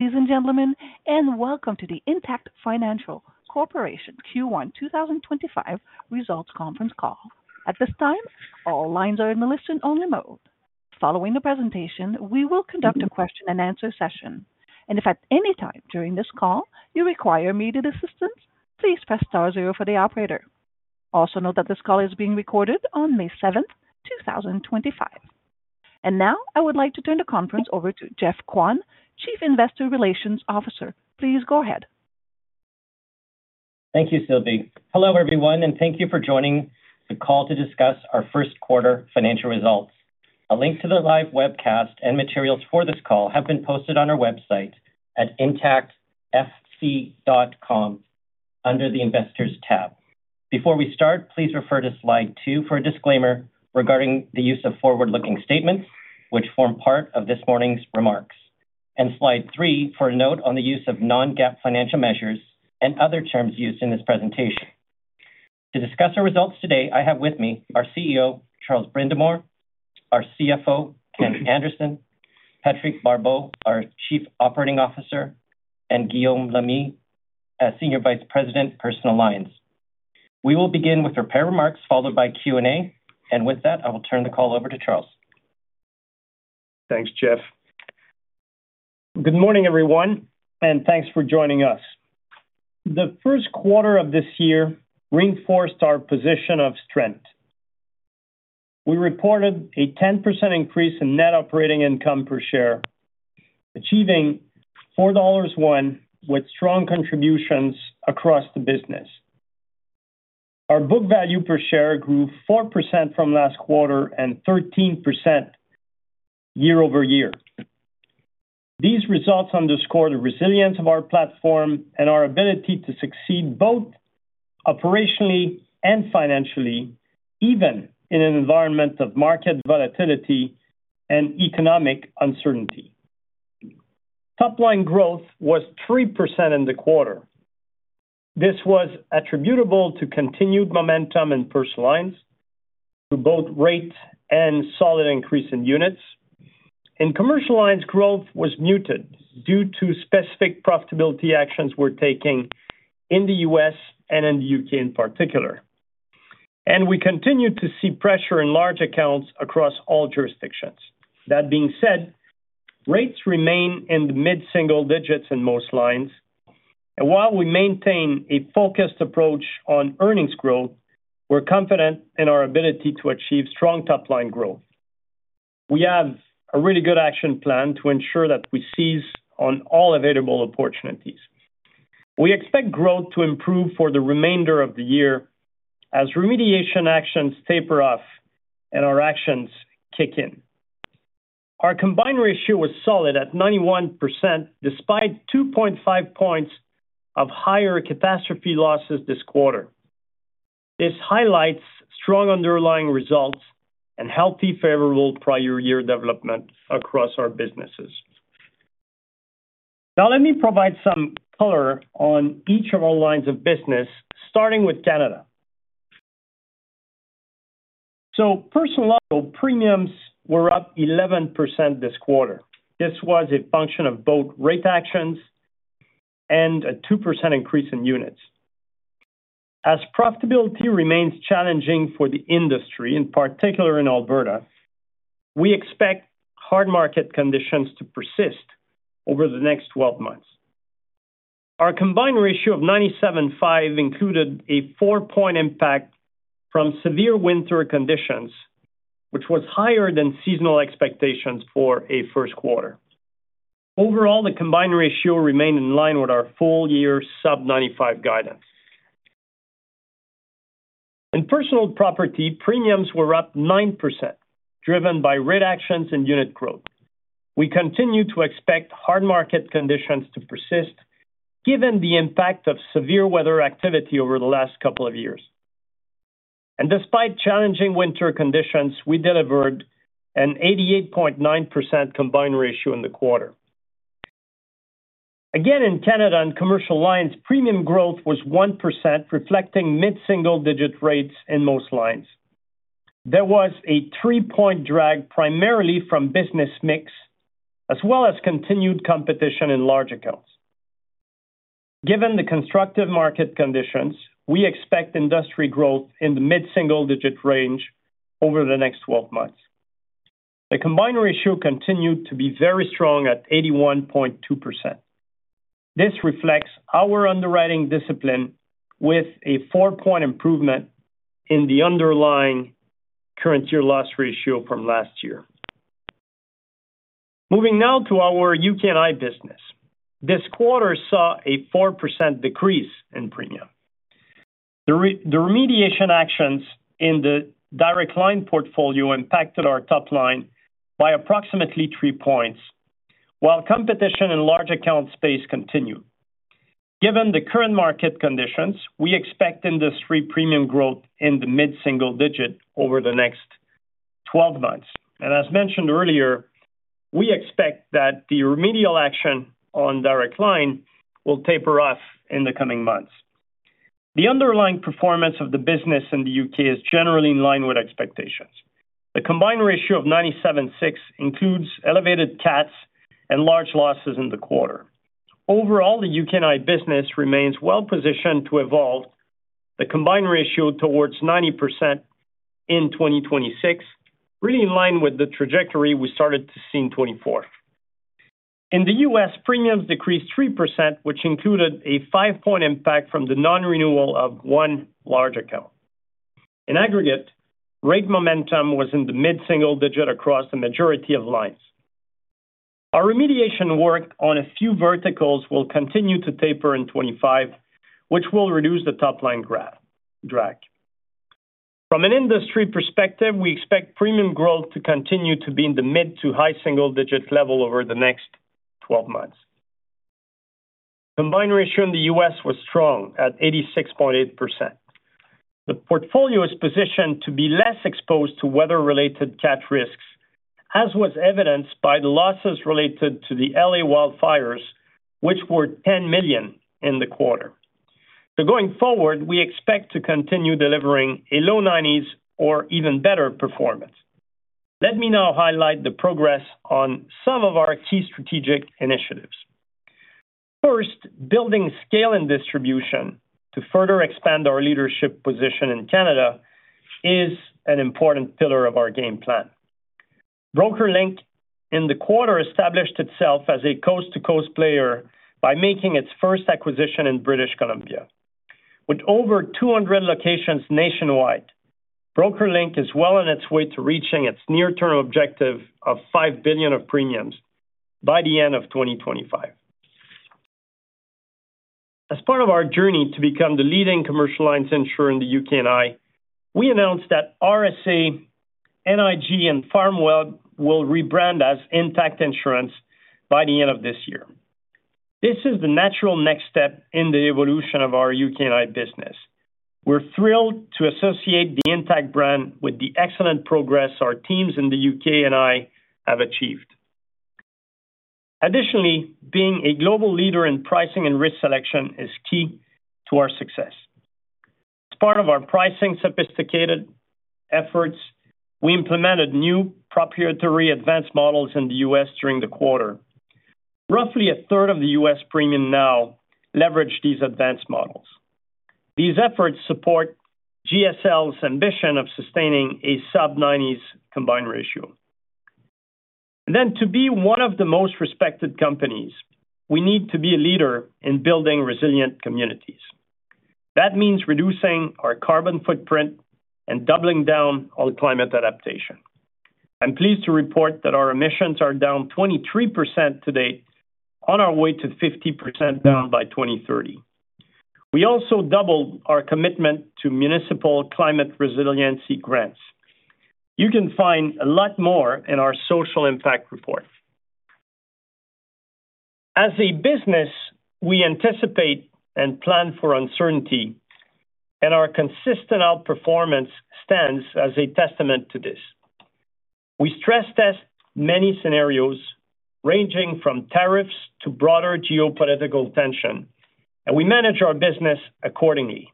Ladies and gentlemen, and welcome to the Intact Financial Corporation Q1 2025 Results Conference Call. At this time, all lines are in the listen-only mode. Following the presentation, we will conduct a question-and-answer session, and if at any time during this call you require immediate assistance, please press star zero for the operator. Also note that this call is being recorded on May 7th, 2025. And now I would like to turn the conference over to Geoff Kwan, Chief Investor Relations Officer. Please go ahead. Thank you, Sylvie. Hello, everyone, and thank you for joining the call to discuss our first quarter financial results. A link to the live webcast and materials for this call have been posted on our website at intactfc.com under the Investors tab. Before we start, please refer to slide two for a disclaimer regarding the use of forward-looking statements, which form part of this morning's remarks, and slide three for a note on the use of non-GAAP financial measures and other terms used in this presentation. To discuss our results today, I have with me our CEO, Charles Brindamour, our CFO, Kenneth Anderson, Patrick Barbeau, our Chief Operating Officer, and Guillaume Lamy, Senior Vice President, Personal Alliance. We will begin with prepared remarks followed by Q&A, and with that, I will turn the call over to Charles. Thanks, Geoff. Good morning, everyone, and thanks for joining us. The first quarter of this year reinforced our position of strength. We reported a 10% increase in net operating income per share, achieving 4.01 dollars with strong contributions across the business. Our book value per share grew 4% from last quarter and 13% year over year. These results underscore the resilience of our platform and our ability to succeed both operationally and financially, even in an environment of market volatility and economic uncertainty. Top-line growth was 3% in the quarter. This was attributable to continued momentum in personal lines, to both rate and solid increase in units. In commercial lines, growth was muted due to specific profitability actions we are taking in the U.S. and in the U.K. in particular. We continue to see pressure in large accounts across all jurisdictions. That being said, rates remain in the mid-single digits in most lines, and while we maintain a focused approach on earnings growth, we're confident in our ability to achieve strong top-line growth. We have a really good action plan to ensure that we seize on all available opportunities. We expect growth to improve for the remainder of the year as remediation actions taper off and our actions kick in. Our combined ratio was solid at 91% despite 2.5 percentage points of higher catastrophe losses this quarter. This highlights strong underlying results and healthy, favorable prior year development across our businesses. Now, let me provide some color on each of our lines of business, starting with Canada. Personal premiums were up 11% this quarter. This was a function of both rate actions and a 2% increase in units. As profitability remains challenging for the industry, in particular in Alberta, we expect hard market conditions to persist over the next 12 months. Our combined ratio of 97.5% included a four-point impact from severe winter conditions, which was higher than seasonal expectations for a first quarter. Overall, the combined ratio remained in line with our full-year sub-95% guidance. In personal property, premiums were up 9%, driven by rate actions and unit growth. We continue to expect hard market conditions to persist given the impact of severe weather activity over the last couple of years. Despite challenging winter conditions, we delivered an 88.9% combined ratio in the quarter. Again, in Canada, in commercial lines, premium growth was 1%, reflecting mid-single digit rates in most lines. There was a three-point drag primarily from business mix, as well as continued competition in large accounts. Given the constructive market conditions, we expect industry growth in the mid-single digit range over the next 12 months. The combined ratio continued to be very strong at 81.2%. This reflects our underwriting discipline with a four-point improvement in the underlying current-year loss ratio from last year. Moving now to our U.K. and I business. This quarter saw a 4% decrease in premium. The remediation actions in the Direct Line portfolio impacted our top line by approximately three points, while competition in large account space continued. Given the current market conditions, we expect industry premium growth in the mid-single digit over the next 12 months. As mentioned earlier, we expect that the remedial action on Direct Line will taper off in the coming months. The underlying performance of the business in the U.K. is generally in line with expectations. The combined ratio of 97.6% includes elevated CATs and large losses in the quarter. Overall, the U.K. and I business remains well positioned to evolve the combined ratio towards 90% in 2026, really in line with the trajectory we started to see in 2024. In the U.S., premiums decreased 3%, which included a five-point impact from the non-renewal of one large account. In aggregate, rate momentum was in the mid-single digit across the majority of lines. Our remediation work on a few verticals will continue to taper in 2025, which will reduce the top line drag. From an industry perspective, we expect premium growth to continue to be in the mid to high single digit level over the next 12 months. Combined ratio in the U.S. was strong at 86.8%. The portfolio is positioned to be less exposed to weather-related CAT risks, as was evidenced by the losses related to the L.A. wildfires, which were $10 million in the quarter. Going forward, we expect to continue delivering a low 90s or even better performance. Let me now highlight the progress on some of our key strategic initiatives. First, building scale and distribution to further expand our leadership position in Canada is an important pillar of our game plan. BrokerLink, in the quarter, established itself as a coast-to-coast player by making its first acquisition in British Columbia. With over 200 locations nationwide, BrokerLink is well on its way to reaching its near-term objective of 5 billion of premiums by the end of 2025. As part of our journey to become the leading commercial lines insurer in the U.K. and I, we announced that RSA, NIG, and FarmWeb will rebrand as Intact Insurance by the end of this year. This is the natural next step in the evolution of our U.K. and I business. We're thrilled to associate the Intact brand with the excellent progress our teams in the U.K. and I have achieved. Additionally, being a global leader in pricing and risk selection is key to our success. As part of our pricing sophisticated efforts, we implemented new proprietary advanced models in the U.S. during the quarter. Roughly a third of the U.S. premium now leveraged these advanced models. These efforts support GSL's ambition of sustaining a sub-90% combined ratio. To be one of the most respected companies, we need to be a leader in building resilient communities. That means reducing our carbon footprint and doubling down on climate adaptation. I'm pleased to report that our emissions are down 23% to date, on our way to 50% down by 2030. We also doubled our commitment to municipal climate resiliency grants. You can find a lot more in our social impact report. As a business, we anticipate and plan for uncertainty, and our consistent outperformance stands as a testament to this. We stress-test many scenarios, ranging from tariffs to broader geopolitical tension, and we manage our business accordingly.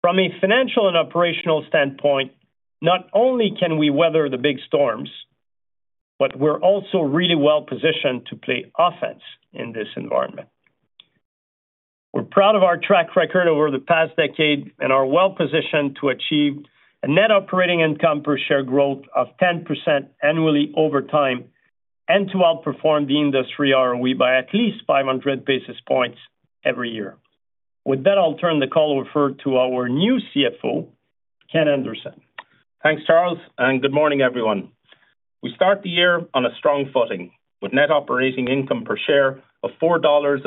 From a financial and operational standpoint, not only can we weather the big storms, but we're also really well positioned to play offense in this environment. We're proud of our track record over the past decade and are well positioned to achieve a net operating income per share growth of 10% annually over time and to outperform the industry ROE by at least 500 basis points every year. With that, I'll turn the call over to our new CFO, Kenneth Anderson. Thanks, Charles, and good morning, everyone. We start the year on a strong footing with net operating income per share of 4.01 dollars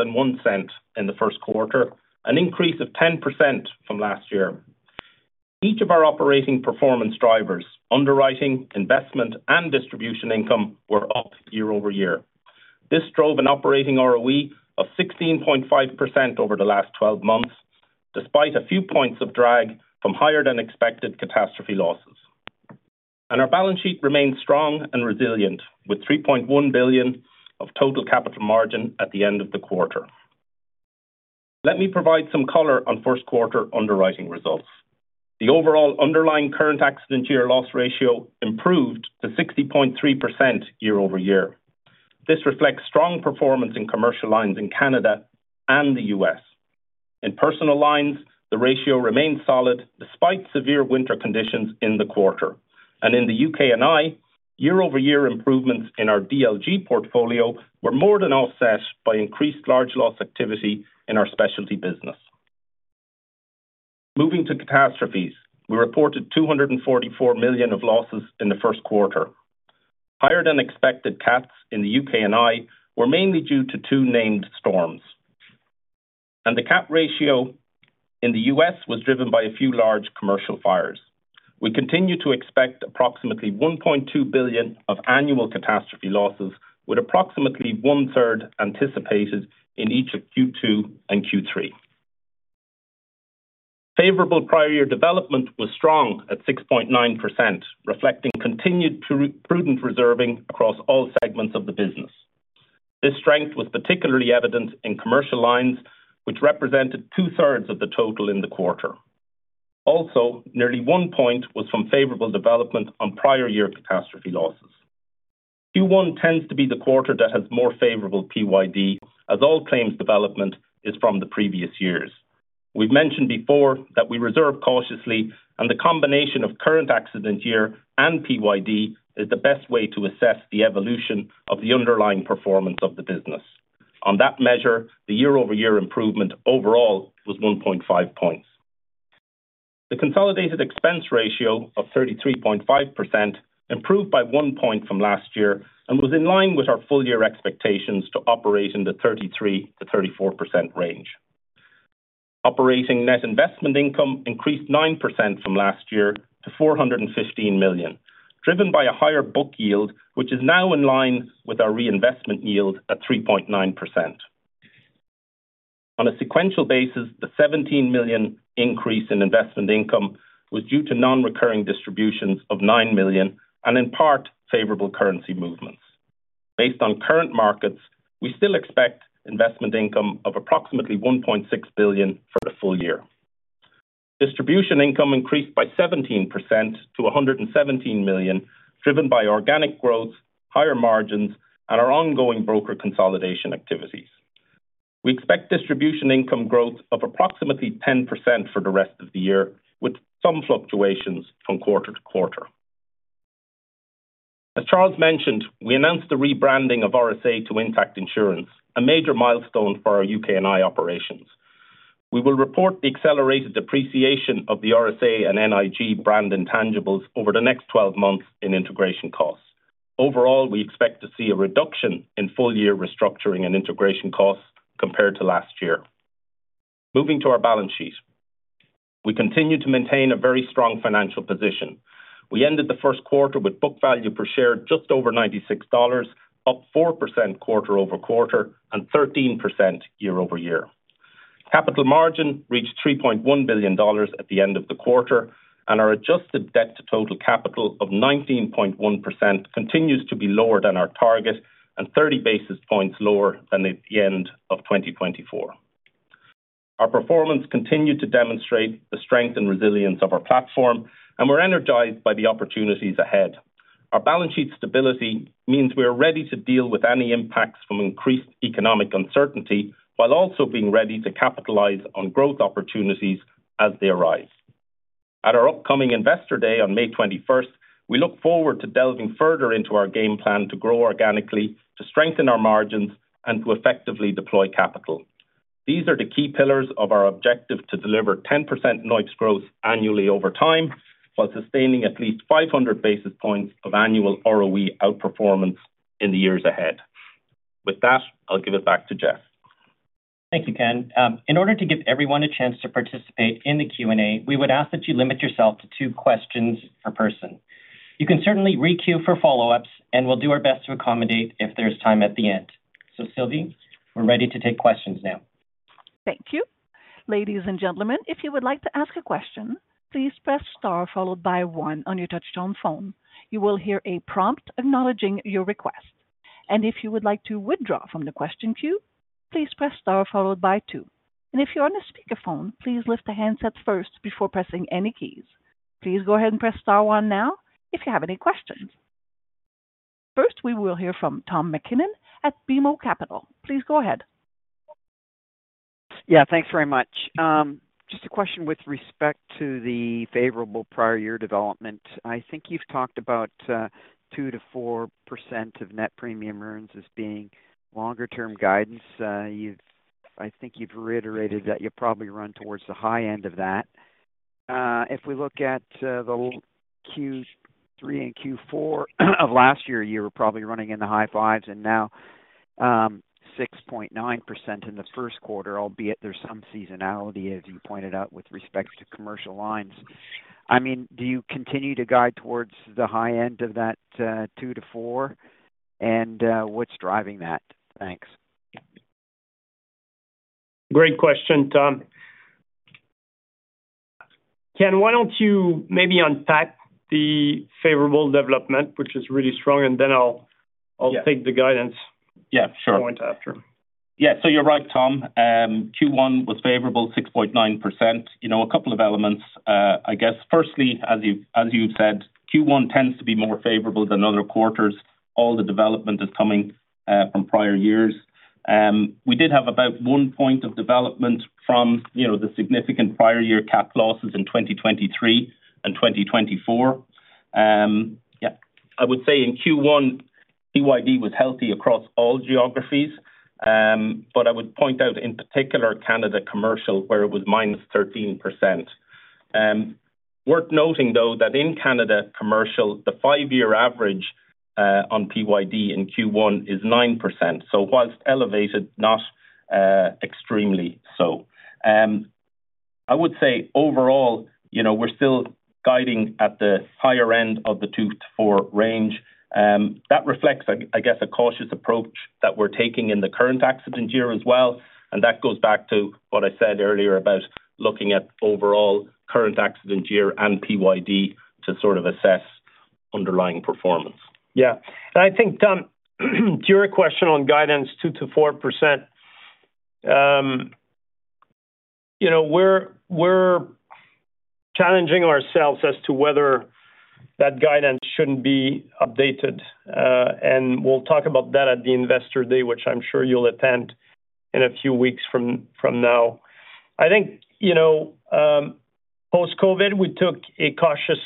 in the first quarter, an increase of 10% from last year. Each of our operating performance drivers, underwriting, investment, and distribution income were up year over year. This drove an operating ROE of 16.5% over the last 12 months, despite a few points of drag from higher-than-expected catastrophe losses. Our balance sheet remained strong and resilient, with 3.1 billion of total capital margin at the end of the quarter. Let me provide some color on first quarter underwriting results. The overall underlying current accident year loss ratio improved to 60.3% year over year. This reflects strong performance in commercial lines in Canada and the U.S. In personal lines, the ratio remained solid despite severe winter conditions in the quarter. In the U.K. and I, year-over-year improvements in our DLG portfolio were more than offset by increased large loss activity in our specialty business. Moving to catastrophes, we reported 244 million of losses in the first quarter. Higher-than-expected CATs in the U.K. and I were mainly due to two named storms. The CAT ratio in the U.S. was driven by a few large commercial fires. We continue to expect approximately 1.2 billion of annual catastrophe losses, with approximately one-third anticipated in each of Q2 and Q3. Favorable prior year development was strong at 6.9%, reflecting continued prudent reserving across all segments of the business. This strength was particularly evident in commercial lines, which represented two-thirds of the total in the quarter. Also, nearly one point was from favorable development on prior year catastrophe losses. Q1 tends to be the quarter that has more favorable PYD, as all claims development is from the previous years. We've mentioned before that we reserve cautiously, and the combination of current accident year and PYD is the best way to assess the evolution of the underlying performance of the business. On that measure, the year-over-year improvement overall was 1.5 percentage points. The consolidated expense ratio of 33.5% improved by one percentage point from last year and was in line with our full-year expectations to operate in the 33-34% range. Operating net investment income increased 9% from last year to 415 million, driven by a higher book yield, which is now in line with our reinvestment yield at 3.9%. On a sequential basis, the 17 million increase in investment income was due to non-recurring distributions of 9 million and in part favorable currency movements. Based on current markets, we still expect investment income of approximately 1.6 billion for the full year. Distribution income increased by 17% to 117 million, driven by organic growth, higher margins, and our ongoing broker consolidation activities. We expect distribution income growth of approximately 10% for the rest of the year, with some fluctuations from quarter to quarter. As Charles mentioned, we announced the rebranding of RSA to Intact Insurance, a major milestone for our U.K. and I operations. We will report the accelerated depreciation of the RSA and NIG brand intangibles over the next 12 months in integration costs. Overall, we expect to see a reduction in full-year restructuring and integration costs compared to last year. Moving to our balance sheet, we continue to maintain a very strong financial position. We ended the first quarter with book value per share just over 96 dollars, up 4% quarter over quarter and 13% year over year. Capital margin reached 3.1 billion dollars at the end of the quarter, and our adjusted debt to total capital of 19.1% continues to be lower than our target and 30 basis points lower than at the end of 2024. Our performance continued to demonstrate the strength and resilience of our platform, and we're energized by the opportunities ahead. Our balance sheet stability means we are ready to deal with any impacts from increased economic uncertainty while also being ready to capitalize on growth opportunities as they arise. At our upcoming investor day on May 21st, we look forward to delving further into our game plan to grow organically, to strengthen our margins, and to effectively deploy capital. These are the key pillars of our objective to deliver 10% NOIPS growth annually over time while sustaining at least 500 basis points of annual ROE outperformance in the years ahead. With that, I'll give it back to Geoff. Thank you, Ken. In order to give everyone a chance to participate in the Q&A, we would ask that you limit yourself to two questions per person. You can certainly re-queue for follow-ups, and we'll do our best to accommodate if there's time at the end. Sylvie, we're ready to take questions now. Thank you. Ladies and gentlemen, if you would like to ask a question, please press star followed by one on your touch-tone phone. You will hear a prompt acknowledging your request. If you would like to withdraw from the question queue, please press star followed by two. If you are on a speakerphone, please lift the handset first before pressing any keys. Please go ahead and press star one now if you have any questions. First, we will hear from Tom MacKinnon at BMO Capital. Please go ahead. Yeah, thanks very much. Just a question with respect to the favorable prior year development. I think you've talked about 2-4% of net premium earnings as being longer-term guidance. I think you've reiterated that you'll probably run towards the high end of that. If we look at the Q3 and Q4 of last year, you were probably running in the high fives and now 6.9% in the first quarter, albeit there's some seasonality, as you pointed out, with respect to commercial lines. I mean, do you continue to guide towards the high end of that 2-4%? And what's driving that? Thanks. Great question, Tom. Ken, why don't you maybe unpack the favorable development, which is really strong, and then I'll take the guidance point after? Yeah, sure. Yeah, so you're right, Tom. Q1 was favorable, 6.9%. A couple of elements, I guess. Firstly, as you've said, Q1 tends to be more favorable than other quarters. All the development is coming from prior years. We did have about one point of development from the significant prior year CAT losses in 2023 and 2024. Yeah, I would say in Q1, PYD was healthy across all geographies, but I would point out in particular Canada commercial where it was minus 13%. Worth noting, though, that in Canada commercial, the five-year average on PYD in Q1 is 9%. So whilst elevated, not extremely so. I would say overall, we're still guiding at the higher end of the 2-4% range. That reflects, I guess, a cautious approach that we're taking in the current accident year as well. That goes back to what I said earlier about looking at overall current accident year and PYD to sort of assess underlying performance. Yeah. I think, Tom, to your question on guidance, 2-4%, we're challenging ourselves as to whether that guidance shouldn't be updated. We'll talk about that at the investor day, which I'm sure you'll attend in a few weeks from now. I think post-COVID, we took a cautious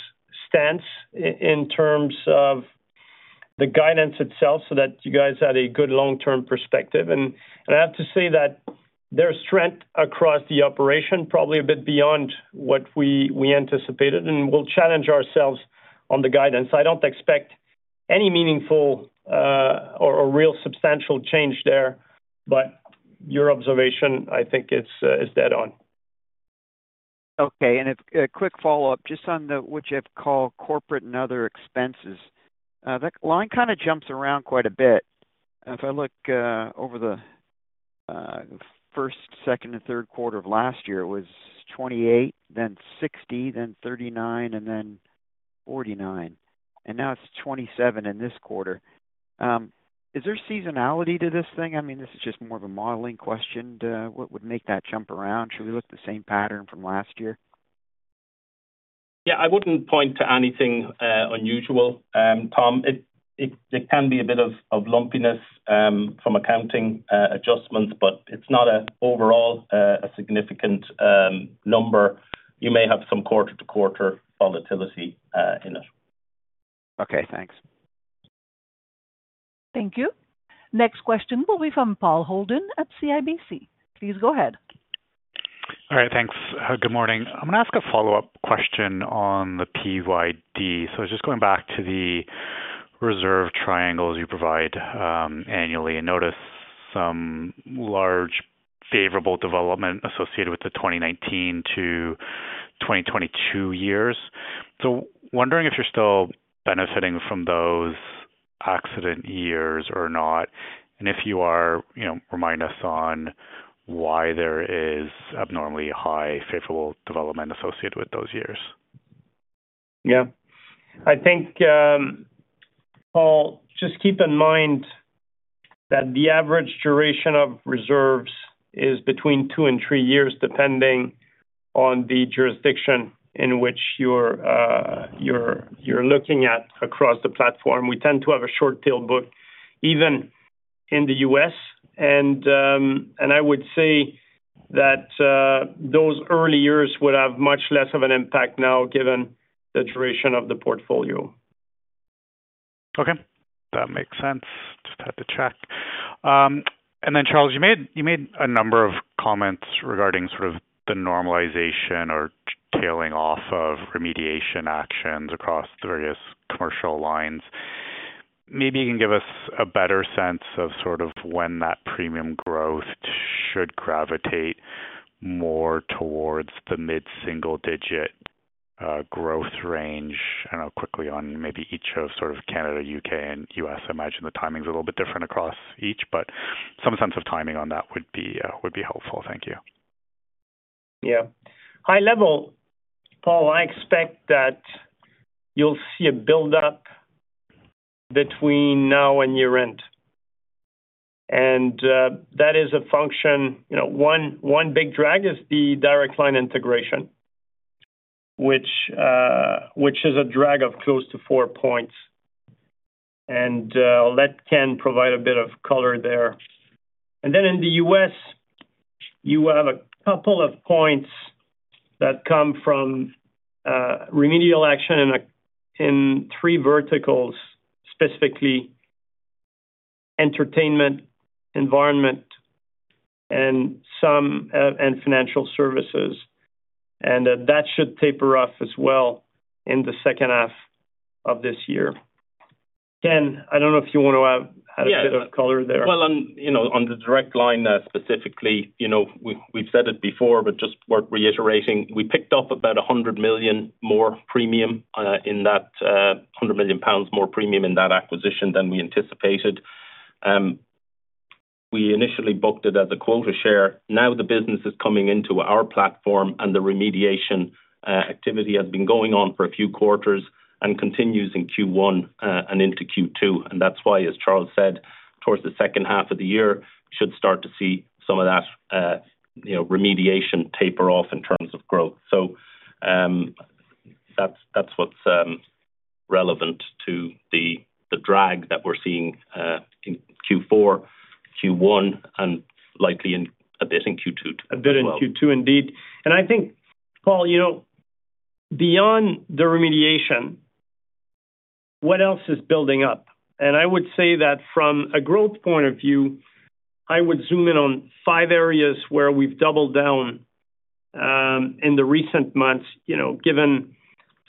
stance in terms of the guidance itself so that you guys had a good long-term perspective. I have to say that there's strength across the operation, probably a bit beyond what we anticipated, and we'll challenge ourselves on the guidance. I don't expect any meaningful or real substantial change there, but your observation, I think, is dead on. Okay. And a quick follow-up just on what Geoff called corporate and other expenses. That line kind of jumps around quite a bit. If I look over the first, second, and third quarter of last year, it was 28, then 60, then 39, and then 49. And now it is 27 in this quarter. Is there seasonality to this thing? I mean, this is just more of a modeling question. What would make that jump around? Should we look at the same pattern from last year? Yeah, I wouldn't point to anything unusual, Tom. There can be a bit of lumpiness from accounting adjustments, but it's not overall a significant number. You may have some quarter-to-quarter volatility in it. Okay, thanks. Thank you. Next question will be from Paul Holden at CIBC. Please go ahead. All right, thanks. Good morning. I'm going to ask a follow-up question on the PYD. Just going back to the reserve triangles you provide annually and notice some large favorable development associated with the 2019 to 2022 years. Wondering if you're still benefiting from those accident years or not, and if you are, remind us on why there is abnormally high favorable development associated with those years. Yeah. I think, Paul, just keep in mind that the average duration of reserves is between two and three years depending on the jurisdiction in which you're looking at across the platform. We tend to have a short tail book even in the U.S. I would say that those early years would have much less of an impact now given the duration of the portfolio. Okay. That makes sense. Just had to check. Charles, you made a number of comments regarding sort of the normalization or tailing off of remediation actions across the various commercial lines. Maybe you can give us a better sense of sort of when that premium growth should gravitate more towards the mid-single-digit growth range. I do not know, quickly, on maybe each of sort of Canada, U.K., and U.S. I imagine the timing's a little bit different across each, but some sense of timing on that would be helpful. Thank you. Yeah. High level, Paul, I expect that you'll see a build-up between now and year-end. That is a function, one big drag is the Direct Line integration, which is a drag of close to 4%. I'll let Ken provide a bit of color there. In the U.S., you have a couple of points that come from remedial action in three verticals, specifically entertainment, environment, and financial services. That should taper off as well in the second half of this year. Ken, I don't know if you want to add a bit of color there. On the Direct Line specifically, we've said it before, but just worth reiterating, we picked up about 100 million more premium in that acquisition than we anticipated. We initially booked it as a quota share. Now the business is coming into our platform, and the remediation activity has been going on for a few quarters and continues in Q1 and into Q2. That is why, as Charles said, towards the second half of the year, we should start to see some of that remediation taper off in terms of growth. That is what is relevant to the drag that we are seeing in Q4, Q1, and likely a bit in Q2. A bit in Q2 indeed. I think, Paul, beyond the remediation, what else is building up? I would say that from a growth point of view, I would zoom in on five areas where we've doubled down in the recent months given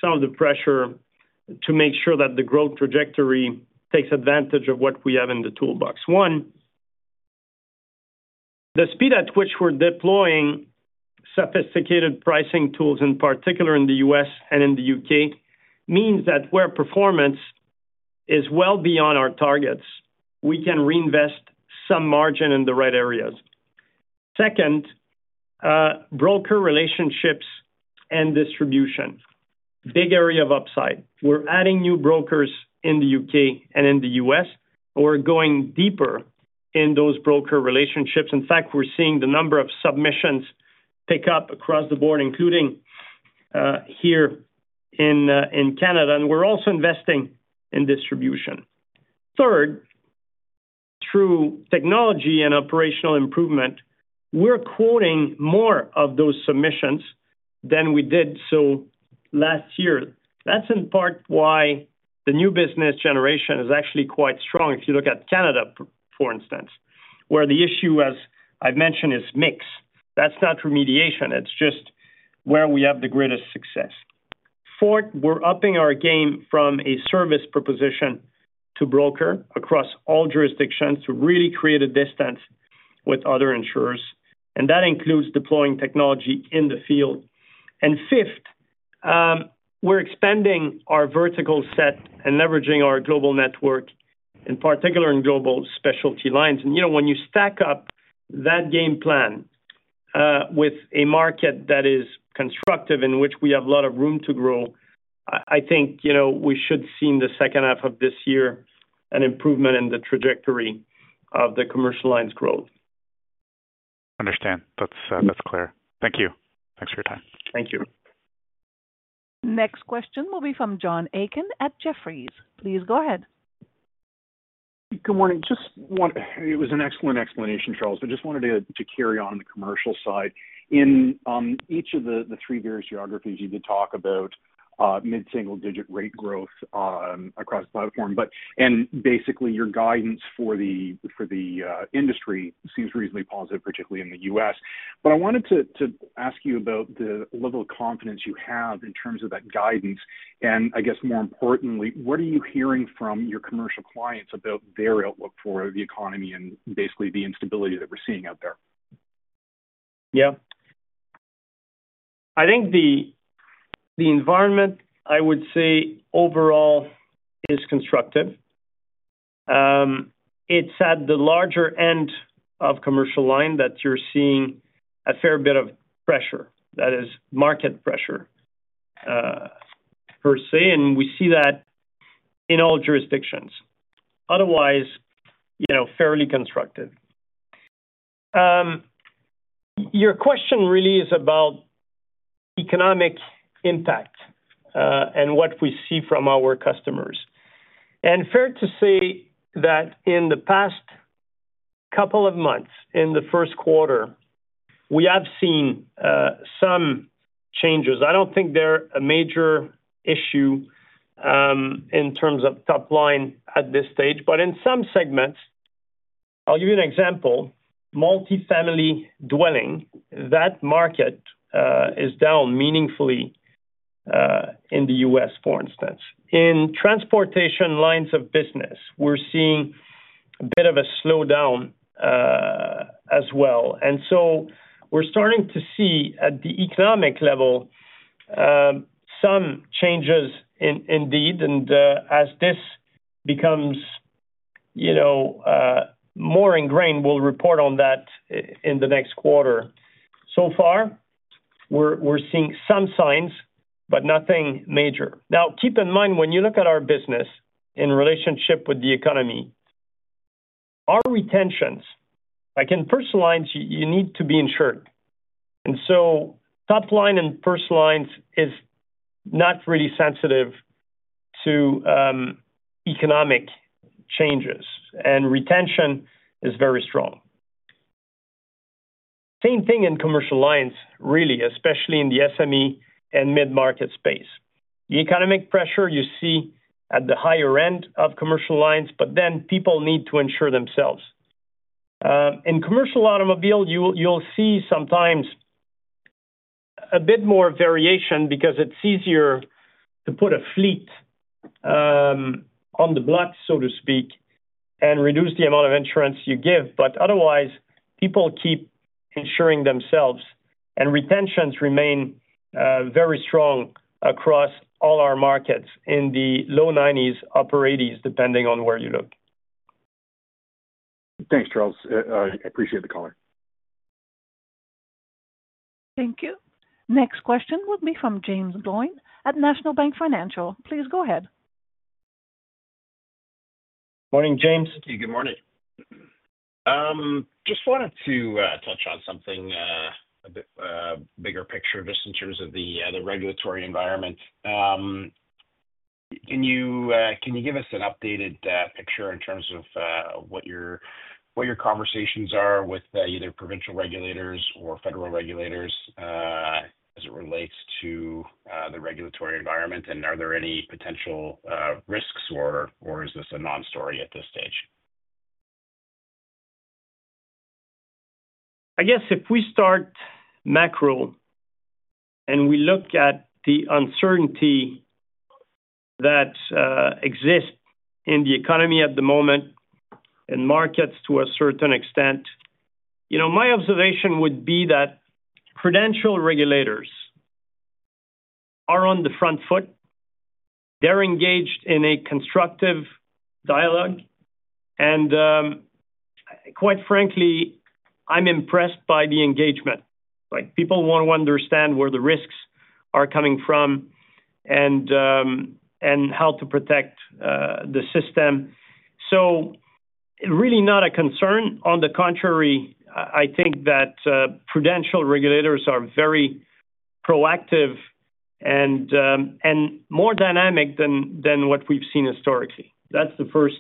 some of the pressure to make sure that the growth trajectory takes advantage of what we have in the toolbox. One, the speed at which we're deploying sophisticated pricing tools, in particular in the U.S. and in the U.K., means that where performance is well beyond our targets, we can reinvest some margin in the right areas. Second, broker relationships and distribution, big area of upside. We're adding new brokers in the U.K. and in the U.S., but we're going deeper in those broker relationships. In fact, we're seeing the number of submissions pick up across the board, including here in Canada, and we're also investing in distribution. Third, through technology and operational improvement, we're quoting more of those submissions than we did so last year. That's in part why the new business generation is actually quite strong. If you look at Canada, for instance, where the issue, as I've mentioned, is mixed. That's not remediation. It's just where we have the greatest success. Fourth, we're upping our game from a service proposition to broker across all jurisdictions to really create a distance with other insurers. That includes deploying technology in the field. Fifth, we're expanding our vertical set and leveraging our global network, in particular in global specialty lines. When you stack up that game plan with a market that is constructive in which we have a lot of room to grow, I think we should see in the second half of this year an improvement in the trajectory of the commercial lines growth. Understand. That's clear. Thank you. Thanks for your time. Thank you. Next question will be from John Aiken at Jefferies. Please go ahead. Good morning. Just wanted—it was an excellent explanation, Charles. I just wanted to carry on the commercial side. In each of the three various geographies, you did talk about mid-single-digit rate growth across the platform. Basically, your guidance for the industry seems reasonably positive, particularly in the U.S. I wanted to ask you about the level of confidence you have in terms of that guidance. I guess, more importantly, what are you hearing from your commercial clients about their outlook for the economy and basically the instability that we're seeing out there? Yeah. I think the environment, I would say overall, is constructive. It is at the larger end of commercial line that you are seeing a fair bit of pressure. That is market pressure per se. We see that in all jurisdictions. Otherwise, fairly constructive. Your question really is about economic impact and what we see from our customers. Fair to say that in the past couple of months, in the first quarter, we have seen some changes. I do not think they are a major issue in terms of top line at this stage. In some segments, I will give you an example, multifamily dwelling. That market is down meaningfully in the U.S., for instance. In transportation lines of business, we are seeing a bit of a slowdown as well. We are starting to see at the economic level some changes indeed. As this becomes more ingrained, we'll report on that in the next quarter. So far, we're seeing some signs, but nothing major. Now, keep in mind, when you look at our business in relationship with the economy, our retentions, like in personal lines, you need to be insured. Top line in personal lines is not really sensitive to economic changes. Retention is very strong. Same thing in commercial lines, really, especially in the SME and mid-market space. The economic pressure you see at the higher end of commercial lines, but then people need to insure themselves. In commercial automobile, you'll see sometimes a bit more variation because it's easier to put a fleet on the block, so to speak, and reduce the amount of insurance you give. Otherwise, people keep insuring themselves. Retentions remain very strong across all our markets in the low 90s, upper 80s, depending on where you look. Thanks, Charles. I appreciate the color. Thank you. Next question will be from Jaeme Gloyn at National Bank Financial. Please go ahead. Morning, Jaeme. Good morning. Just wanted to touch on something, a bigger picture, just in terms of the regulatory environment. Can you give us an updated picture in terms of what your conversations are with either provincial regulators or federal regulators as it relates to the regulatory environment? Are there any potential risks, or is this a non-story at this stage? I guess if we start macro and we look at the uncertainty that exists in the economy at the moment and markets to a certain extent, my observation would be that prudential regulators are on the front foot. They're engaged in a constructive dialogue. Quite frankly, I'm impressed by the engagement. People want to understand where the risks are coming from and how to protect the system. Really not a concern. On the contrary, I think that prudential regulators are very proactive and more dynamic than what we've seen historically. That's the first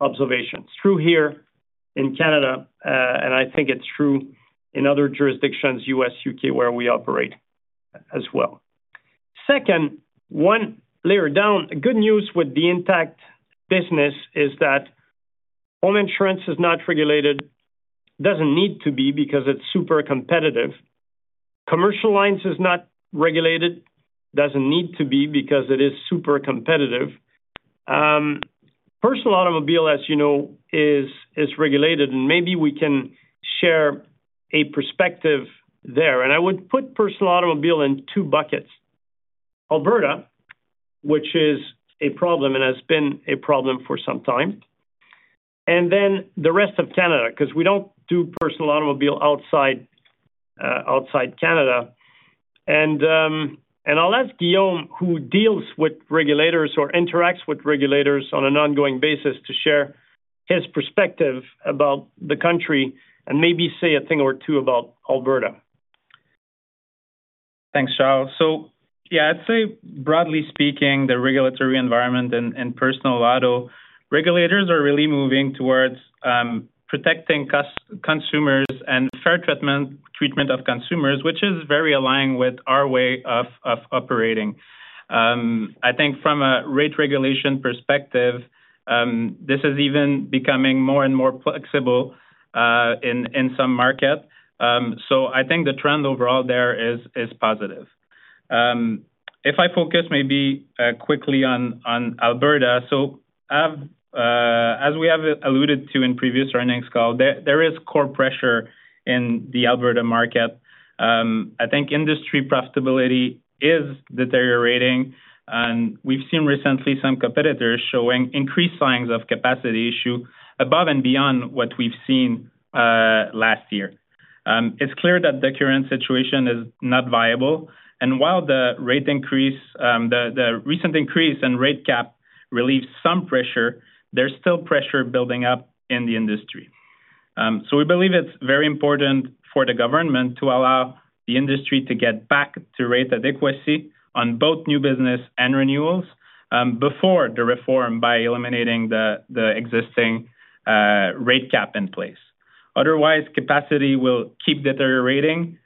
observation. It's true here in Canada, and I think it's true in other jurisdictions, U.S., U.K., where we operate as well. Second, one layer down, good news with the Intact business is that home insurance is not regulated, doesn't need to be because it's super competitive. Commercial lines is not regulated, does not need to be because it is super competitive. Personal automobile, as you know, is regulated. Maybe we can share a perspective there. I would put personal automobile in two buckets: Alberta, which is a problem and has been a problem for some time, and then the rest of Canada because we do not do personal automobile outside Canada. I will ask Guillaume, who deals with regulators or interacts with regulators on an ongoing basis, to share his perspective about the country and maybe say a thing or two about Alberta. Thanks, Charles. Yeah, I'd say, broadly speaking, the regulatory environment and personal auto regulators are really moving towards protecting consumers and fair treatment of consumers, which is very aligned with our way of operating. I think from a rate regulation perspective, this is even becoming more and more flexible in some markets. I think the trend overall there is positive. If I focus maybe quickly on Alberta, as we have alluded to in previous earnings call, there is core pressure in the Alberta market. I think industry profitability is deteriorating. We've seen recently some competitors showing increased signs of capacity issue above and beyond what we've seen last year. It's clear that the current situation is not viable. While the recent increase in rate cap relieves some pressure, there's still pressure building up in the industry. We believe it's very important for the government to allow the industry to get back to rate adequacy on both new business and renewals before the reform by eliminating the existing rate cap in place. Otherwise, capacity will keep deteriorating,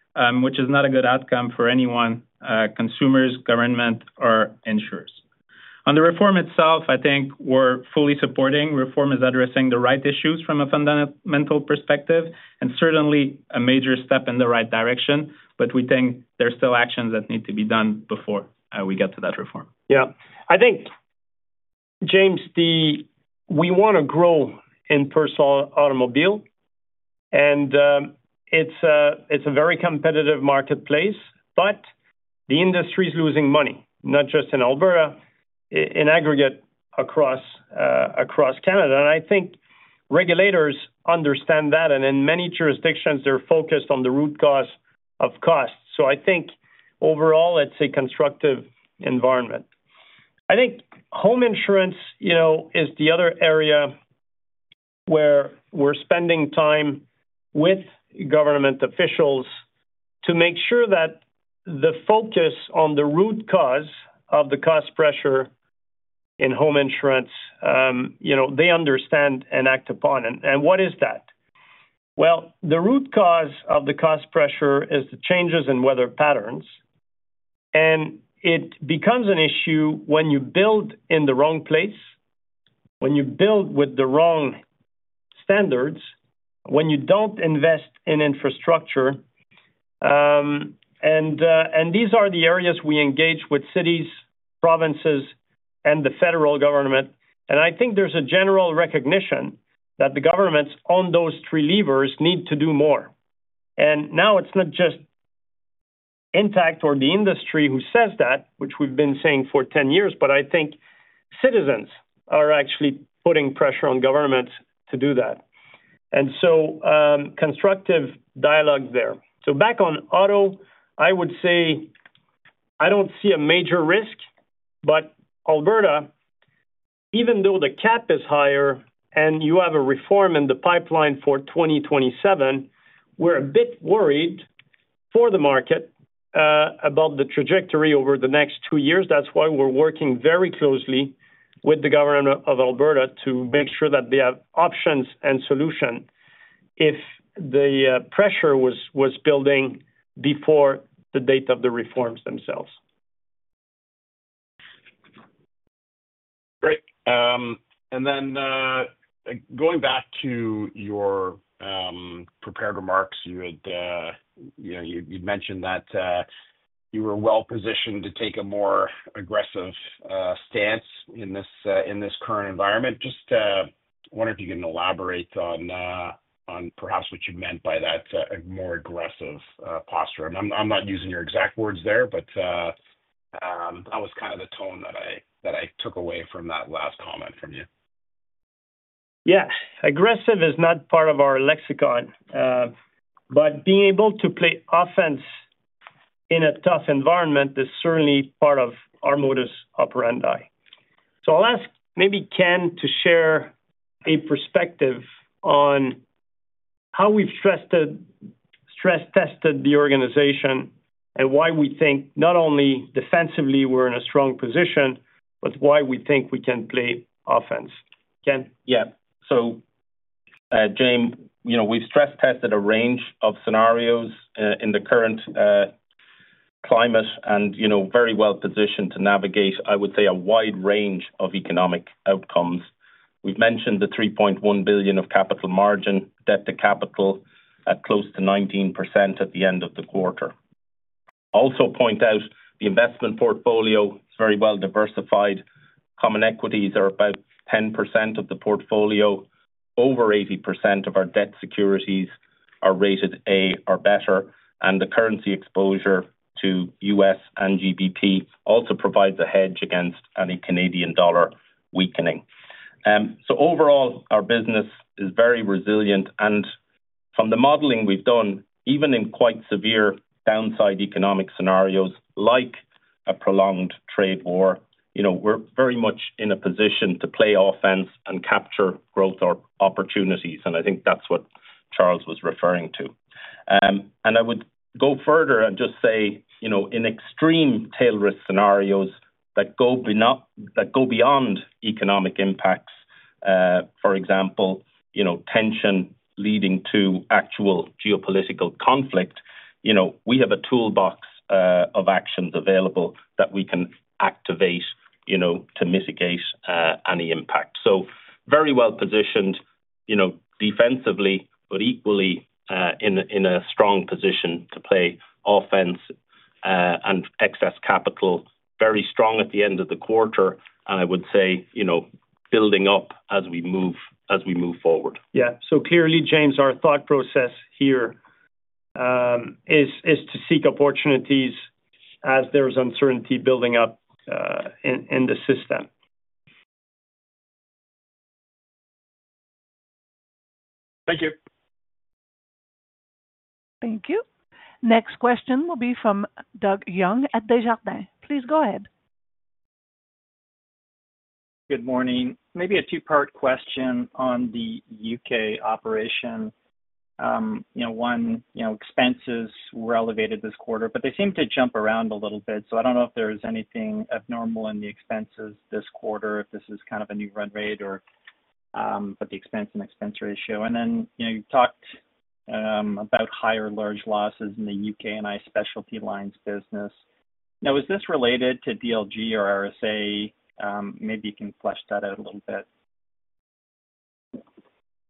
which is not a good outcome for anyone, consumers, government, or insurers. On the reform itself, I think we're fully supporting. Reform is addressing the right issues from a fundamental perspective and certainly a major step in the right direction. We think there's still actions that need to be done before we get to that reform. Yeah. I think, Jaeme, we want to grow in personal automobile. It is a very competitive marketplace. The industry is losing money, not just in Alberta, in aggregate across Canada. I think regulators understand that. In many jurisdictions, they are focused on the root cause of cost. I think overall, it is a constructive environment. I think home insurance is the other area where we are spending time with government officials to make sure that the focus on the root cause of the cost pressure in home insurance, they understand and act upon. What is that? The root cause of the cost pressure is the changes in weather patterns. It becomes an issue when you build in the wrong place, when you build with the wrong standards, when you do not invest in infrastructure. These are the areas we engage with cities, provinces, and the federal government. I think there is a general recognition that the governments on those three levers need to do more. Now it is not just Intact or the industry who says that, which we have been saying for 10 years, but I think citizens are actually putting pressure on governments to do that. Constructive dialogue there. Back on auto, I would say I do not see a major risk. Alberta, even though the cap is higher and you have a reform in the pipeline for 2027, we are a bit worried for the market about the trajectory over the next two years. That is why we are working very closely with the government of Alberta to make sure that they have options and solutions if the pressure was building before the date of the reforms themselves. Great. Going back to your prepared remarks, you'd mentioned that you were well-positioned to take a more aggressive stance in this current environment. I just wonder if you can elaborate on perhaps what you meant by that more aggressive posture. I'm not using your exact words there, but that was kind of the tone that I took away from that last comment from you. Yeah. Aggressive is not part of our lexicon. But being able to play offense in a tough environment is certainly part of our modus operandi. So I'll ask maybe Ken to share a perspective on how we've stress-tested the organization and why we think not only defensively we're in a strong position, but why we think we can play offense. Ken. Yeah. Jaeme, we've stress-tested a range of scenarios in the current climate and are very well-positioned to navigate, I would say, a wide range of economic outcomes. We've mentioned the 3.1 billion of capital margin, debt to capital at close to 19% at the end of the quarter. I would also point out the investment portfolio is very well diversified. Common equities are about 10% of the portfolio. Over 80% of our debt securities are rated A or better. The currency exposure to U.S. and GBP also provides a hedge against any Canadian dollar weakening. Overall, our business is very resilient. From the modeling we've done, even in quite severe downside economic scenarios like a prolonged trade war, we're very much in a position to play offense and capture growth or opportunities. I think that's what Charles was referring to. I would go further and just say in extreme tail risk scenarios that go beyond economic impacts, for example, tension leading to actual geopolitical conflict, we have a toolbox of actions available that we can activate to mitigate any impact. Very well-positioned defensively, but equally in a strong position to play offense and excess capital very strong at the end of the quarter. I would say building up as we move forward. Yeah. Clearly, Jaeme, our thought process here is to seek opportunities as there's uncertainty building up in the system. Thank you. Thank you. Next question will be from Doug Young at Desjardins. Please go ahead. Good morning. Maybe a two-part question on the U.K. operation. One, expenses were elevated this quarter, but they seem to jump around a little bit. I do not know if there is anything abnormal in the expenses this quarter, if this is kind of a new run rate or the expense and expense ratio. You talked about higher large losses in the UK&I Specialty Lines business. Now, is this related to DLG or RSA? Maybe you can flesh that out a little bit.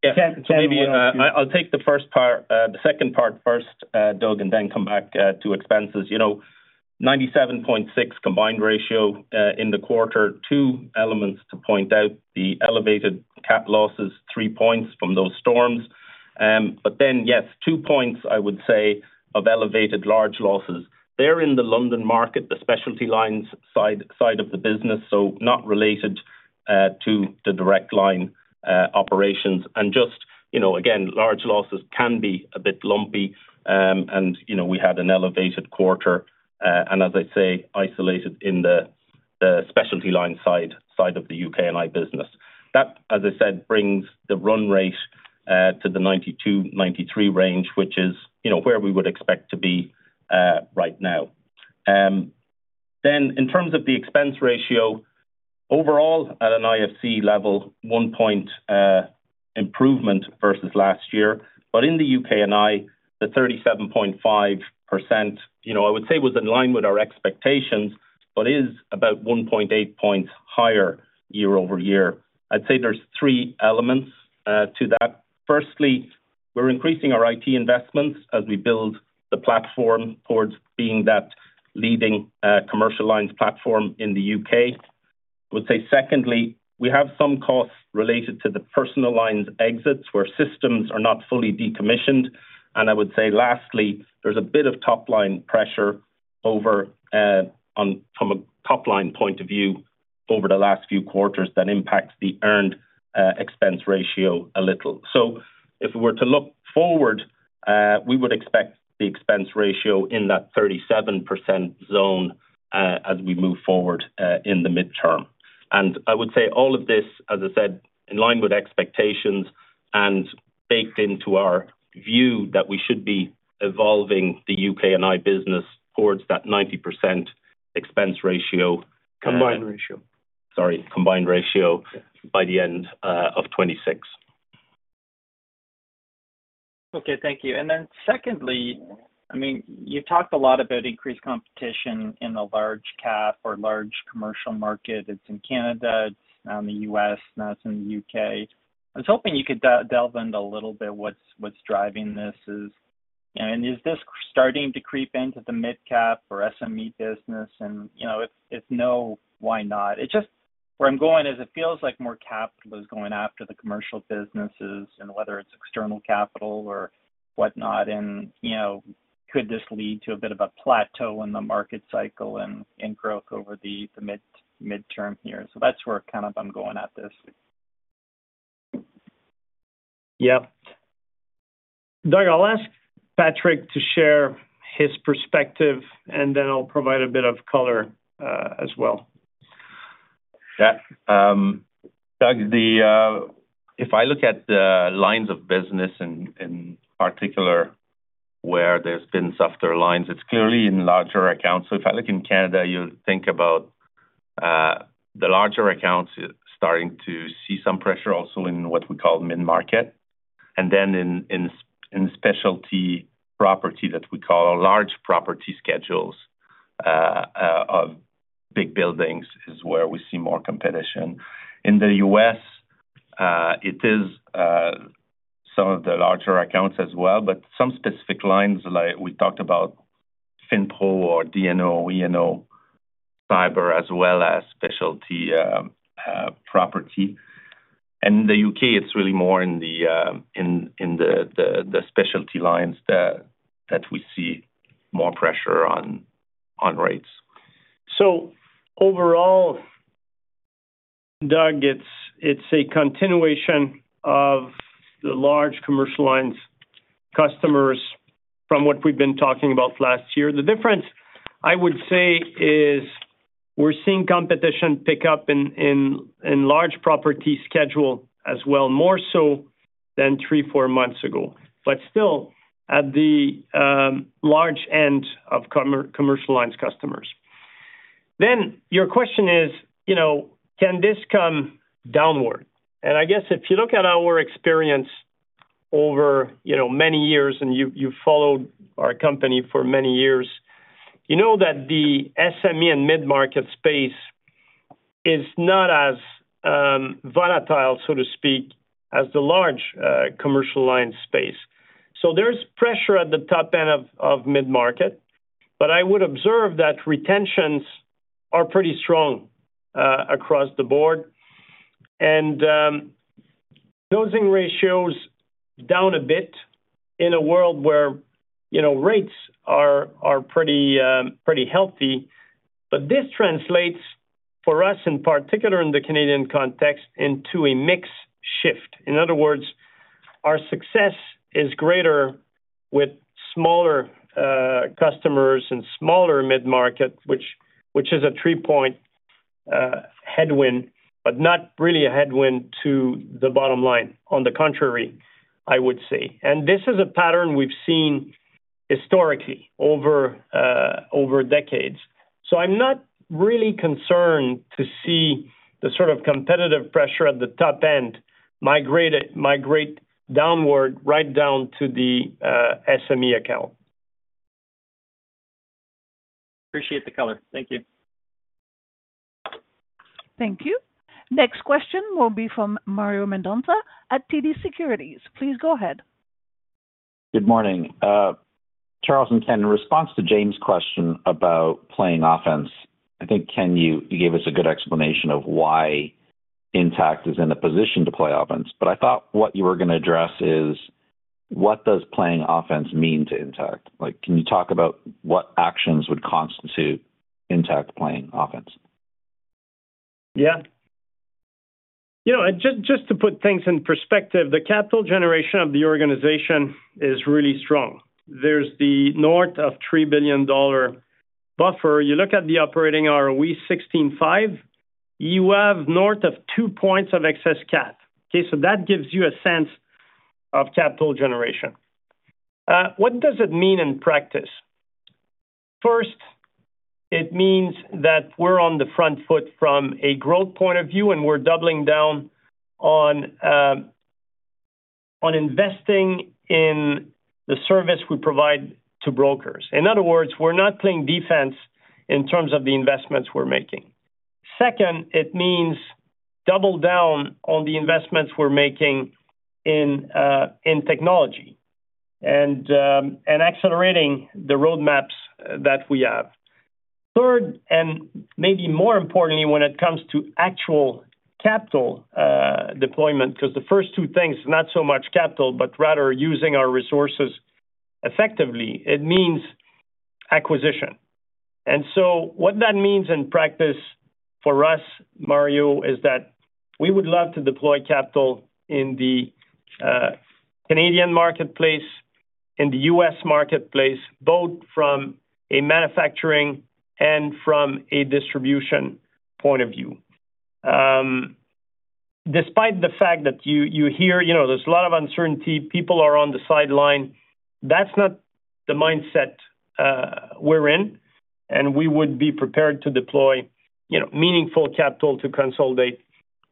Yeah. Maybe I'll take the first part, the second part first, Doug, and then come back to expenses. 97.6% combined ratio in the quarter, two elements to point out: the elevated CAT losses, three points from those storms. Yes, two points, I would say, of elevated large losses. They're in the London market, the Specialty Lines side of the business, not related to the Direct Line operations. Large losses can be a bit lumpy. We had an elevated quarter, and as I say, isolated in the specialty lines side of the U.K. and I business. That, as I said, brings the run rate to the 92-93% range, which is where we would expect to be right now. In terms of the expense ratio, overall, at an IFC level, one-point improvement versus last year. In the UK&I, the 37.5% I would say was in line with our expectations, but is about 1.8 percentage points higher year over year. I'd say there are three elements to that. Firstly, we're increasing our IT investments as we build the platform towards being that leading commercial lines platform in the UK&I would say, secondly, we have some costs related to the personal lines exits where systems are not fully decommissioned. I would say, lastly, there's a bit of top-line pressure from a top-line point of view over the last few quarters that impacts the earned expense ratio a little. If we were to look forward, we would expect the expense ratio in that 37% zone as we move forward in the midterm. I would say all of this, as I said, in line with expectations and baked into our view that we should be evolving the UK&I business towards that 90% expense ratio. Combined ratio. Sorry, combined ratio by the end of 2026. Okay. Thank you. Then secondly, I mean, you talked a lot about increased competition in the large cap or large commercial market. It's in Canada. It's now in the U.S. Now it's in the U.K. I was hoping you could delve into a little bit what's driving this is. Is this starting to creep into the midcap or SME business? If no, why not? Where I'm going is it feels like more capital is going after the commercial businesses and whether it's external capital or whatnot. Could this lead to a bit of a plateau in the market cycle and growth over the midterm here? That's where kind of I'm going at this. Yeah. Doug, I'll ask Patrick to share his perspective, and then I'll provide a bit of color as well. Yeah. Doug, if I look at the lines of business in particular where there's been softer lines, it's clearly in larger accounts. If I look in Canada, you think about the larger accounts starting to see some pressure also in what we call mid-market. In specialty property that we call large property schedules of big buildings is where we see more competition. In the U.S., it is some of the larger accounts as well, but some specific lines like we talked about FinPro or D&O, E&O, Cyber, as well as specialty property. In the U.K., it's really more in the specialty lines that we see more pressure on rates. Overall, Doug, it's a continuation of the large commercial lines customers from what we've been talking about last year. The difference, I would say, is we're seeing competition pick up in large property schedule as well, more so than three-four months ago, but still at the large end of commercial lines customers. Your question is, can this come downward? I guess if you look at our experience over many years and you've followed our company for many years, you know that the SME and mid-market space is not as volatile, so to speak, as the large commercial lines space. There's pressure at the top end of mid-market. I would observe that retentions are pretty strong across the board. Closing ratios down a bit in a world where rates are pretty healthy. This translates for us, in particular in the Canadian context, into a mixed shift. In other words, our success is greater with smaller customers and smaller mid-market, which is a three-point headwind, but not really a headwind to the bottom line. On the contrary, I would say. This is a pattern we've seen historically over decades. I am not really concerned to see the sort of competitive pressure at the top end migrate downward right down to the SME account. Appreciate the color. Thank you. Thank you. Next question will be from Mario Mendonca at TD Securities. Please go ahead. Good morning. Charles and Ken, in response to Jaeme' question about playing offense, I think, Ken, you gave us a good explanation of why Intact is in a position to play offense. I thought what you were going to address is what does playing offense mean to Intact? Can you talk about what actions would constitute Intact playing offense? Yeah. Just to put things in perspective, the capital generation of the organization is really strong. There is the north of 3 billion dollar buffer. You look at the operating ROE 16.5%, you have north of two points of excess cap. Okay. That gives you a sense of capital generation. What does it mean in practice? First, it means that we are on the front foot from a growth point of view, and we are doubling down on investing in the service we provide to brokers. In other words, we are not playing defense in terms of the investments we are making. Second, it means double down on the investments we are making in technology and accelerating the roadmaps that we have. Third, and maybe more importantly, when it comes to actual capital deployment, because the first two things is not so much capital, but rather using our resources effectively, it means acquisition. What that means in practice for us, Mario, is that we would love to deploy capital in the Canadian marketplace, in the U.S. marketplace, both from a manufacturing and from a distribution point of view. Despite the fact that you hear there is a lot of uncertainty, people are on the sideline, that is not the mindset we are in. We would be prepared to deploy meaningful capital to consolidate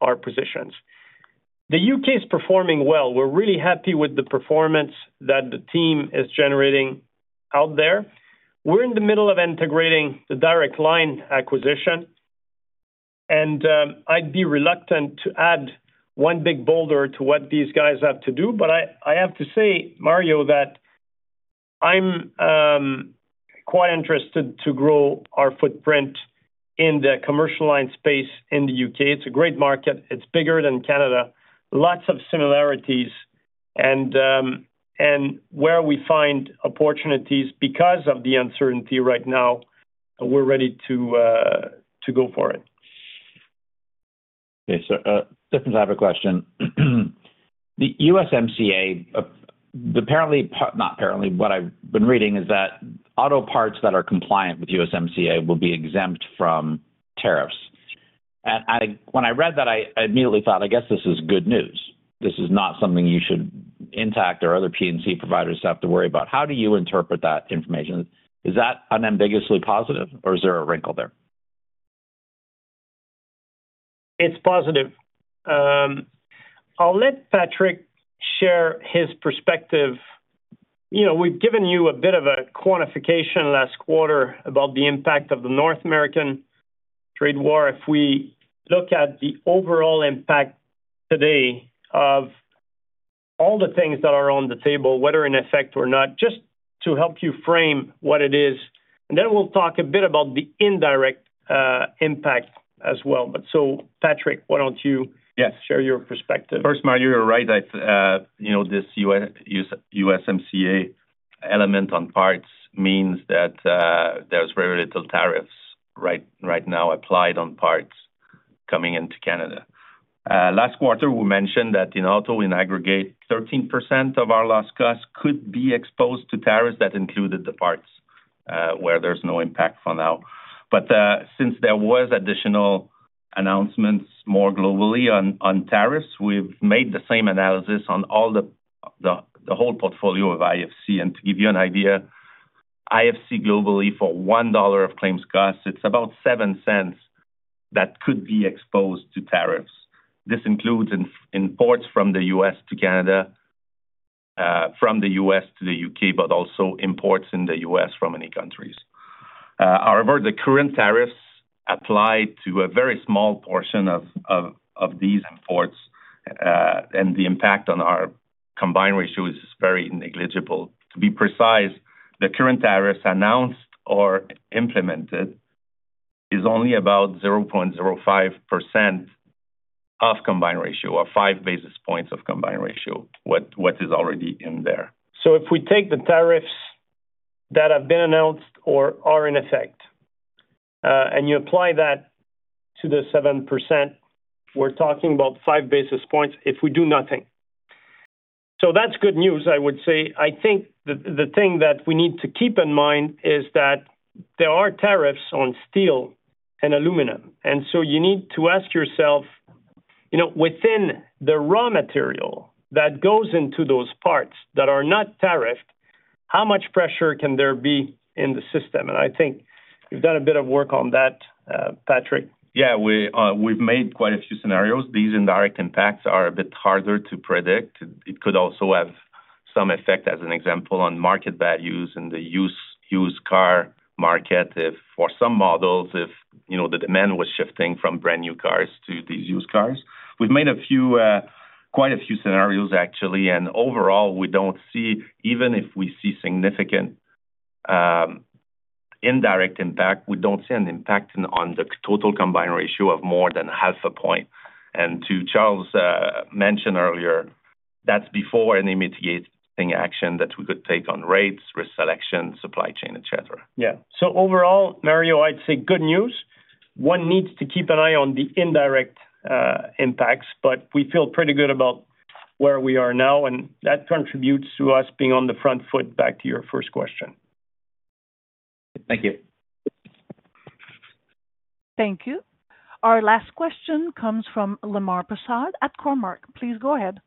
our positions. The U.K. is performing well. We are really happy with the performance that the team is generating out there. We are in the middle of integrating the Direct Line acquisition. I would be reluctant to add one big boulder to what these guys have to do. I have to say, Mario, that I am quite interested to grow our footprint in the commercial line space in the U.K. It is a great market. It is bigger than Canada. Lots of similarities. Where we find opportunities because of the uncertainty right now, we're ready to go for it. Okay. Different type of question. The USMCA, apparently not apparently, what I've been reading is that auto parts that are compliant with USMCA will be exempt from tariffs. When I read that, I immediately thought, "I guess this is good news. This is not something you should, Intact or other P&C providers, have to worry about." How do you interpret that information? Is that unambiguously positive, or is there a wrinkle there? It's positive. I'll let Patrick share his perspective. We've given you a bit of a quantification last quarter about the impact of the North American trade war. If we look at the overall impact today of all the things that are on the table, whether in effect or not, just to help you frame what it is. Then we'll talk a bit about the indirect impact as well. Patrick, why don't you share your perspective? First, Mario, you're right. This USMCA element on parts means that there's very little tariffs right now applied on parts coming into Canada. Last quarter, we mentioned that in auto, in aggregate, 13% of our last costs could be exposed to tariffs. That included the parts where there's no impact for now. Since there were additional announcements more globally on tariffs, we've made the same analysis on the whole portfolio of IFC. To give you an idea, IFC globally, for $1 of claims costs, it's about seven cents that could be exposed to tariffs. This includes imports from the U.S. to Canada, from the U.S. to the U.K., but also imports in the U.S. from many countries. However, the current tariffs apply to a very small portion of these imports, and the impact on our combined ratio is very negligible. To be precise, the current tariffs announced or implemented is only about 0.05% of combined ratio or five basis points of combined ratio, what is already in there. If we take the tariffs that have been announced or are in effect, and you apply that to the 7%, we're talking about five basis points if we do nothing. That is good news, I would say. I think the thing that we need to keep in mind is that there are tariffs on steel and aluminum. You need to ask yourself, within the raw material that goes into those parts that are not tariffed, how much pressure can there be in the system? I think you've done a bit of work on that, Patrick. Yeah. We've made quite a few scenarios. These indirect impacts are a bit harder to predict. It could also have some effect, as an example, on market values in the used car market for some models if the demand was shifting from brand new cars to these used cars. We've made quite a few scenarios, actually. Overall, we don't see, even if we see significant indirect impact, we don't see an impact on the total combined ratio of more than half a point. To Charles' mention earlier, that's before any mitigating action that we could take on rates, risk selection, supply chain, etc. Yeah. Overall, Mario, I'd say good news. One needs to keep an eye on the indirect impacts, but we feel pretty good about where we are now. That contributes to us being on the front foot back to your first question. Thank you. Thank you. Our last question comes from Lemar Persaud at Cormark. Please go ahead.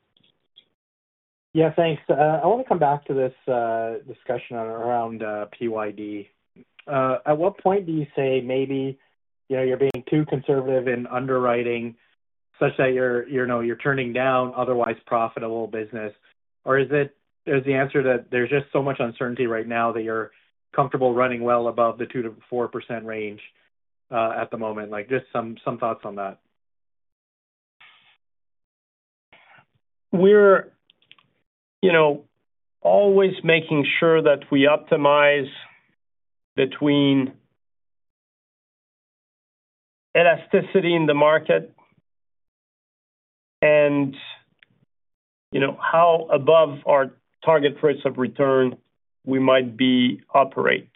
Yeah. Thanks. I want to come back to this discussion around PYD. At what point do you say maybe you're being too conservative in underwriting such that you're turning down otherwise profitable business? Or is the answer that there's just so much uncertainty right now that you're comfortable running well above the 2-4% range at the moment? Just some thoughts on that. We're always making sure that we optimize between elasticity in the market and how above our target rates of return we might operate.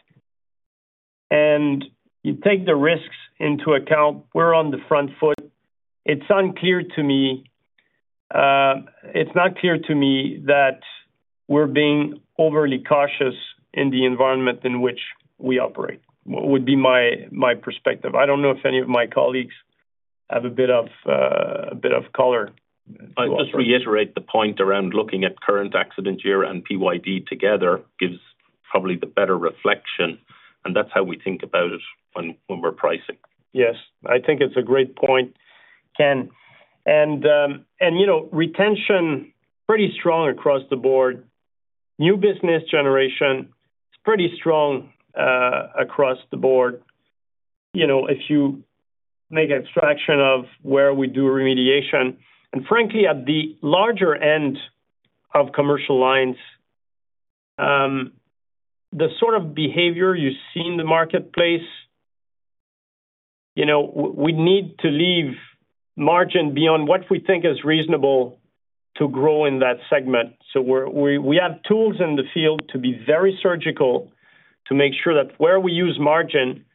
You take the risks into account, we're on the front foot. It's not clear to me that we're being overly cautious in the environment in which we operate. What would be my perspective? I don't know if any of my colleagues have a bit of color. I'll just reiterate the point around looking at current accident year and PYD together gives probably the better reflection. That's how we think about it when we're pricing. Yes. I think it's a great point, Ken. Retention, pretty strong across the board. New business generation, it's pretty strong across the board if you make an abstraction of where we do remediation. Frankly, at the larger end of commercial lines, the sort of behavior you see in the marketplace, we need to leave margin beyond what we think is reasonable to grow in that segment. We have tools in the field to be very surgical to make sure that where we use margin,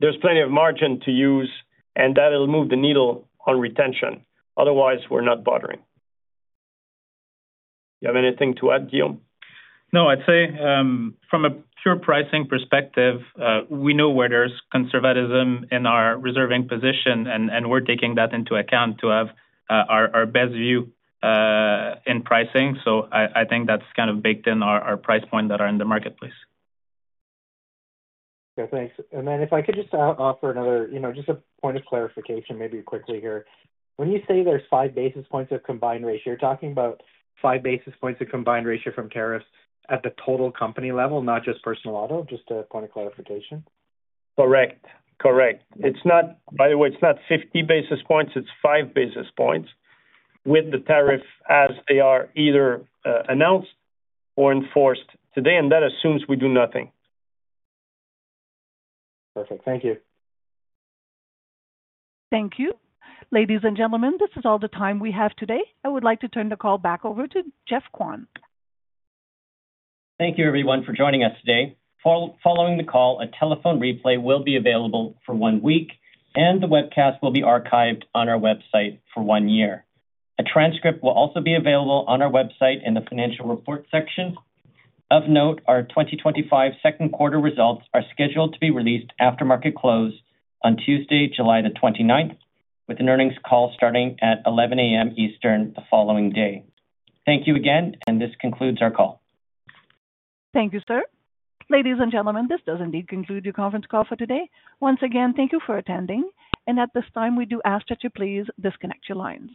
there's plenty of margin to use, and that'll move the needle on retention. Otherwise, we're not bothering you. Do you have anything to add, Guillaume? No. I'd say from a pure pricing perspective, we know where there's conservatism in our reserving position, and we're taking that into account to have our best view in pricing. I think that's kind of baked in our price point that are in the marketplace. Okay. Thanks. If I could just offer another, just a point of clarification, maybe quickly here. When you say there's five basis points of combined ratio, you're talking about five basis points of combined ratio from tariffs at the total company level, not just personal auto? Just a point of clarification. Correct. By the way, it's not 50 basis points. It's five basis points with the tariff as they are either announced or enforced today. That assumes we do nothing. Perfect. Thank you. Thank you. Ladies and gentlemen, this is all the time we have today. I would like to turn the call back over to Geoff Kwan. Thank you, everyone, for joining us today. Following the call, a telephone replay will be available for one week, and the webcast will be archived on our website for one year. A transcript will also be available on our website in the financial report section. Of note, our 2025 second quarter results are scheduled to be released after market close on Tuesday, July 29, with an earnings call starting at 11:00 A.M. Eastern the following day. Thank you again, and this concludes our call. Thank you, sir. Ladies and gentlemen, this does indeed conclude your conference call for today. Once again, thank you for attending. At this time, we do ask that you please disconnect your lines.